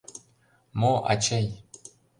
— Мо, ачый?